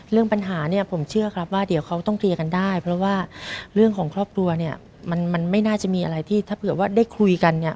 เรื่องปัญหาเนี่ยผมเชื่อครับว่าเดี๋ยวเขาต้องเคลียร์กันได้เพราะว่าเรื่องของครอบครัวเนี่ยมันไม่น่าจะมีอะไรที่ถ้าเผื่อว่าได้คุยกันเนี่ย